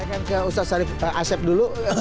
saya akan ke ustadz sarif asep dulu